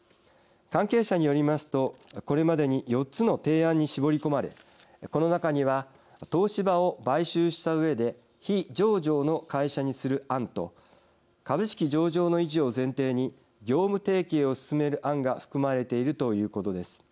関係者によりますとこれまでに４つの提案に絞り込まれこの中には東芝を買収したうえで非上場の会社にする案と株式上場の維持を前提に業務提携を進める案が含まれているということです。